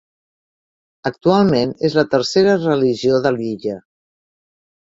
Actualment és la tercera religió de l'illa.